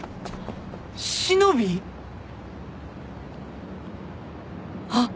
しのびぃ？あっ。